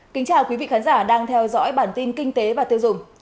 kính chào quý vị khán giả đang theo dõi bản tin kinh tế và tiêu dùng